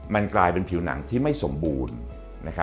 มันกลายเป็นผิวหนังที่ไม่สมบูรณ์